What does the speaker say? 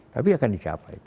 tapi akan dicapai